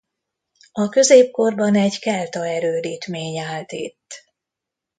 A középkorban egy kelta erődítmény állt itt.